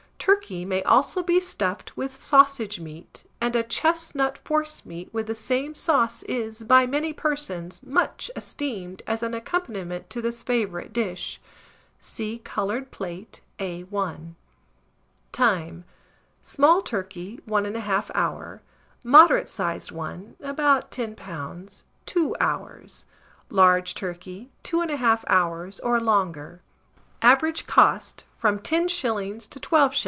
Turkey may also be stuffed with sausage meat, and a chestnut forcemeat with the same sauce is, by many persons, much esteemed as an accompaniment to this favourite dish. See coloured plate, A1. Time. Small turkey, 1 1/2 hour; moderate sized one, about 10 lbs., 2 hours; large turkey, 2 1/2 hours, or longer. Average cost, from 10s. to 12s.